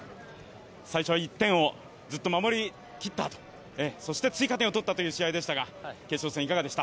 最初は１点を守りきった、そして追加点を取ったという試合でした。